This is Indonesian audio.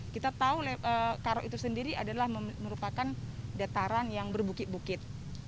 kita tahu karo itu sendiri adalah merupakan dataran yang berbukit bukit